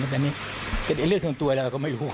แต่นี่เป็นเรื่องส่วนตัวเราก็ไม่รู้